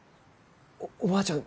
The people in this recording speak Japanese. おばあちゃん